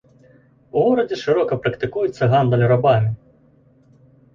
У горадзе шырока практыкуецца гандаль рабамі.